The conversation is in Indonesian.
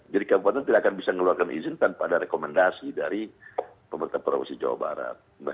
jadi kabupaten tidak akan bisa mengeluarkan izin tanpa ada rekomendasi dari pemerintah provinsi jawa barat